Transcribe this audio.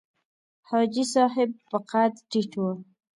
حاجي صاحب په قد ټیټ و.